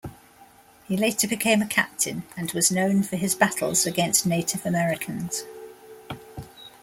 He later became a captain and was known for his battles against Native Americans.